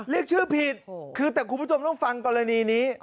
เรียกชื่อผิดคือแต่คุณผู้ชมต้องฟังกรณีนี้